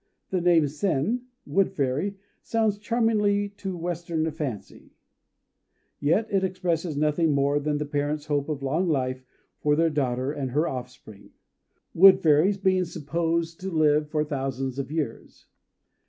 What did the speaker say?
The name Sen (Wood fairy) sounds charmingly to Western fancy; yet it expresses nothing more than the parents' hope of long life for their daughter and her offspring, wood fairies being supposed to live for thousands of years....